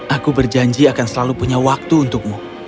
aku berjanji akan selalu punya waktu untukmu